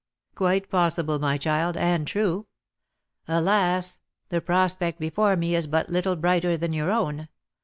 "Quite possible, my child, and true. Alas! the prospect before me is but little brighter than your own.